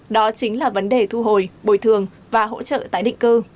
đó chính là vấn đề thu hồi bồi thường và hỗ trợ tái định cư